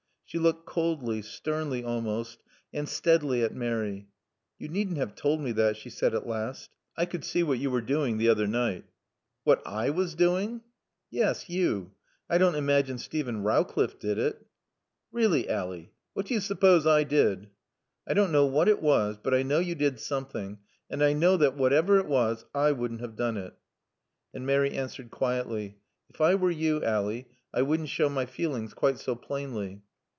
She looked coldly, sternly almost, and steadily at Mary. "You needn't have told me that," she said at last. "I could see what you were doing the other night." "What I was doing?" "Yes, you. I don't imagine Steven Rowcliffe did it" "Really Ally what do you suppose I did?" "I don't know what it was. But I know you did something and I know that whatever it was I wouldn't have done it." And Mary answered quietly. "If I were you, Ally, I wouldn't show my feelings quite so plainly."